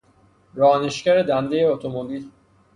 رانشگر دندهی اتومبیل